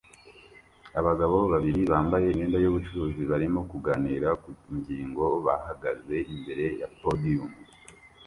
Abagabo babiri bambaye imyenda yubucuruzi barimo kuganira ku ngingo bahagaze imbere ya podium